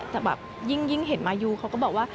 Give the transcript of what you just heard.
แต่แบบยิ่งเห็นมายูเขาก็บอกว่า